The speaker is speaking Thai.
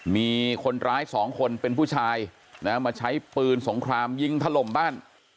มีคนร้ายสองคนเป็นผู้ชายนะมาใช้ปืนสงครามยิงถล่มบ้าน